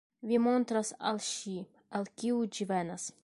Vi montras al ŝi, el kio ĝi venas.